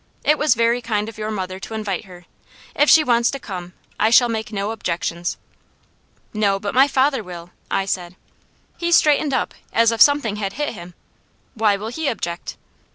It was very kind of your mother to invite her. If she wants to come, I shall make no objections." "No, but my father will," I said. He straightened up as if something had hit him. "Why will he object?"